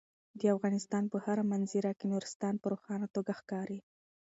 د افغانستان په هره منظره کې نورستان په روښانه توګه ښکاري.